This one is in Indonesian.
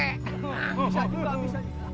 bisa juga bisa juga